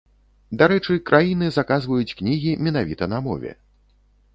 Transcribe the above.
Дарэчы, краіны заказваюць кнігі менавіта на мове.